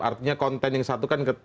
artinya konten yang satu kan